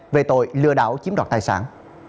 về tội lừa đảo chiếm đoạt tài sản